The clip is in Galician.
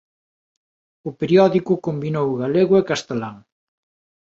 O periódico combinou galego e castelán.